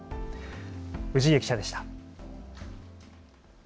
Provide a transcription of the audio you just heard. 氏家記者でした。